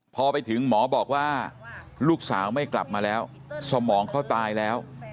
พอไปถึงหมอบอกว่าลูกสาวไม่กลับมาแล้วสมองเขาตายแล้ว